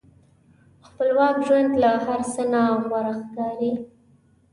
خپلواک ژوند له هر څه نه غوره ښکاري.